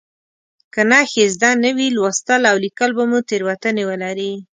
که نښې زده نه وي لوستل او لیکل به مو تېروتنې ولري.